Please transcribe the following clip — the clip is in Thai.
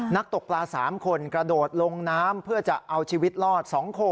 ตกปลา๓คนกระโดดลงน้ำเพื่อจะเอาชีวิตรอด๒คน